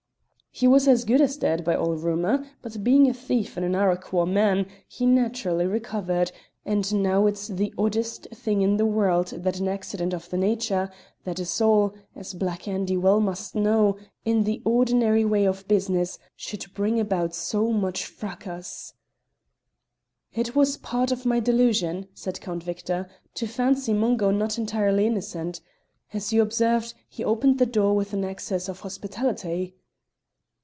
"He was as good as dead, by all rumour; but being a thief and an Arroquhar man, he naturally recovered: and now it's the oddest thing in the world that an accident of the nature, that is all, as Black Andy well must know, in the ordinary way of business, should bring about so much fracas." "It was part of my delusion," said Count Victor, "to fancy Mungo not entirely innocent. As you observed, he opened the door with an excess of hospitality."